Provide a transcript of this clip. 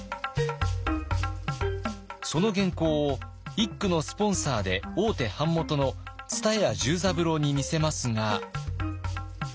その原稿を一九のスポンサーで大手版元の蔦屋重三郎に見せますが。